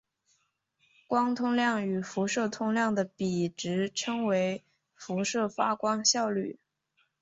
光通量与辐射通量的比值称为辐射发光效率。